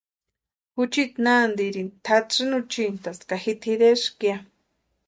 Juchiti nantiri tʼatsïni úchintasti ka ji tʼireska ya.